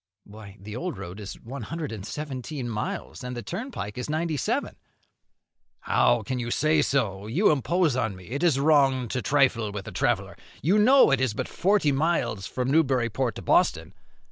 "Why, the old road is one hundred and seventeen miles, and the turnpike is ninety seven." "How can you say so? you impose on me; it is wrong to trifle with a traveller; you know it is but forty miles from Newburyport to Boston."